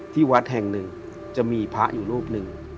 ที่วัดแห่งหนึ่งจะมีพระอยู่รูปหนึ่ง